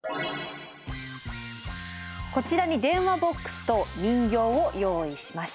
こちらに電話ボックスと人形を用意しました。